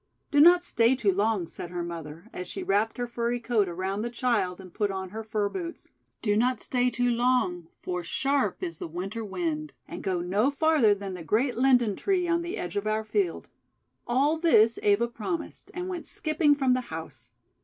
"Do not stay too long," said her mother, as she wrapped her furry coat around the child and put on her fur boots, 'do not stay too long, for sharp is the Winter WTind. And go no farther than the great Linden Tree on the edge of our field." All this Eva promised, and went skipping from the house.